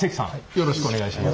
よろしくお願いします。